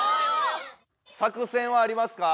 作戦はありますか？